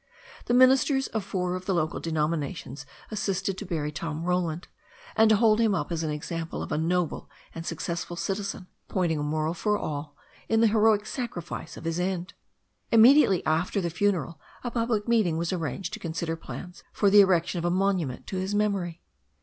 The ministers of four of the local denominations assisted to bury Tom Roland, and to hold him up as an example of a noble and successful citizen, pointing a moral for all in the heroic sacrifice of his end. Immediately after the funeral a public meeting was ar ranged to consider plans for the erection of a monument to his memory.